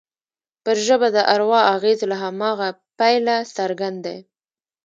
پر ژبه د اروا اغېز له هماغه پیله څرګند دی